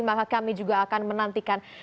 maka kami juga akan menantikan